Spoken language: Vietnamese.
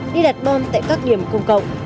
đi đặt bom tại các điểm công cộng